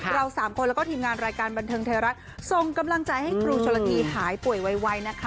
เราสามคนแล้วก็ทีมงานรายการบันเทิงไทยรัฐส่งกำลังใจให้ครูชนละทีหายป่วยไวนะคะ